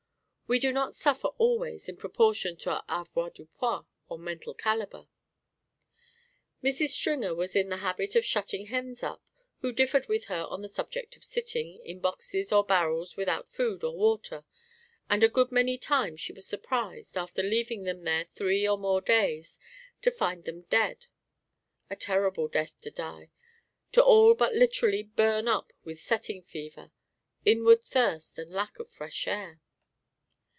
We do not suffer always in proportion to our avoirdupois or mental caliber. Mrs. Stringer was in the habit of shutting hens up, who differed with her on the subject of sitting, in boxes or barrels without food or water, and a good many times she was surprised, after leaving them there three or more days, to find them dead. A terrible death to die, to all but literally burn up with "setting fever," inward thirst and lack of fresh air.